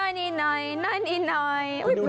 น้อย